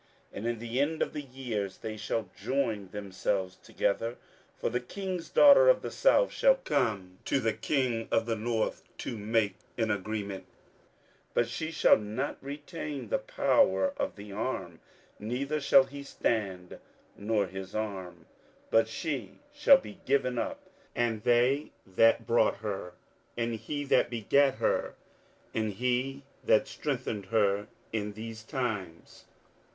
27:011:006 And in the end of years they shall join themselves together; for the king's daughter of the south shall come to the king of the north to make an agreement: but she shall not retain the power of the arm; neither shall he stand, nor his arm: but she shall be given up, and they that brought her, and he that begat her, and he that strengthened her in these times.